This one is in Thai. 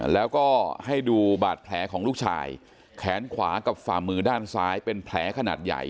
แล้วก็ให้ดูบาดแผลของลูกชายแขนขวากับฝ่ามือด้านซ้ายเป็นแผลขนาดใหญ่